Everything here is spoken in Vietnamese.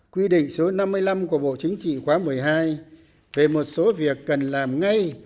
quy định số năm mươi năm của bộ chính trị khóa một mươi hai về một số việc cần làm ngay